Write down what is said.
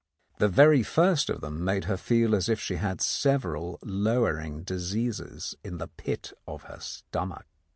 The very first of them made her feel as if she had several lowering diseases in the pit of the stomach.